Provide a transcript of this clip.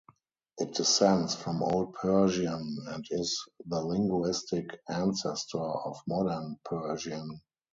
It descends from Old Persian and is the linguistic ancestor of Modern Persian.